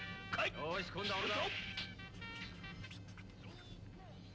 「よし今度は俺だ！」